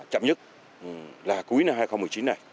chậm nhất là cuối năm hai nghìn một mươi chín này